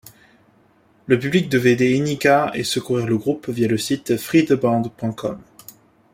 Le public devait aider Inika et secourir le groupe via le site 'freetheband.com'.